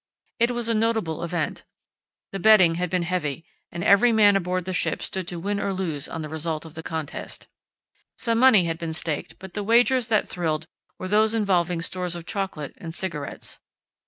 It was a notable event. The betting had been heavy, and every man aboard the ship stood to win or lose on the result of the contest. Some money had been staked, but the wagers that thrilled were those involving stores of chocolate and cigarettes.